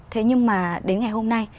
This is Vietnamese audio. thế nhưng mà đến ngày hôm nay